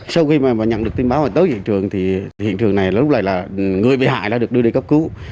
sau khi mà nhận được tin báo tới hiện trường thì hiện trường này lúc này là người bị hại đã được đưa đi cấp cứu